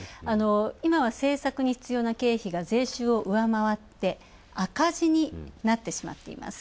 今は政策に必要な税収を上回って赤字になってしまっています。